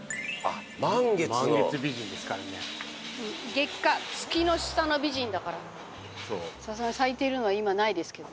月下月の下の美人だからさすがに咲いてるのは今ないですけど。